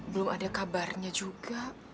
belum ada kabarnya juga